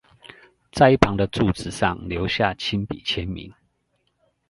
在一旁的柱子上留下親筆簽名